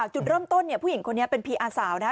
จุดเริ่มต้นเนี่ยผู้หญิงคนนี้เป็นพีอาสาวนะ